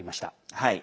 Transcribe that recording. はい。